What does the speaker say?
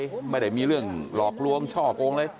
ไม่ได้เพราะมีเรื่องหลอกลวงชอบโรงอะไร